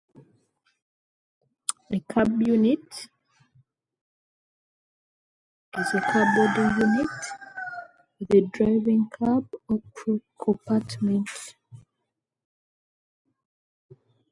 A cab unit is a carbody unit with a driving cab, or crew compartment.